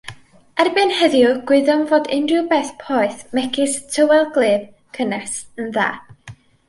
Erbyn heddiw, gwyddom fod unrhyw beth poeth megis tywel gwlyb, cynnes yn dda.